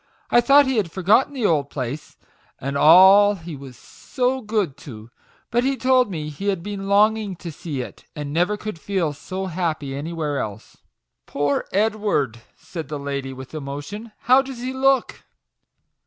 I thought he had forgotten the old place, and all he was so good to ; but he told me he had been longing to see it, and never could feel so happy anywhere else." " Poor Edward I" said the lady, with emotion. "How does he look?"